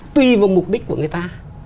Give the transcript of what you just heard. tuy vào mục đích của người ta